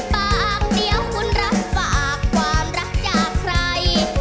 ปากเดี๋ยวคุณรับฝากความรักจากใคร